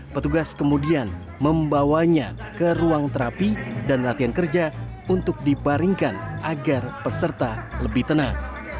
petugas kemudian membawanya ke ruang terapi dan latihan kerja untuk dibaringkan agar peserta lebih tenang